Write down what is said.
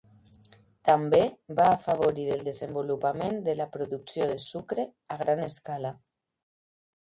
També va afavorir el desenvolupament de la producció de sucre a gran escala.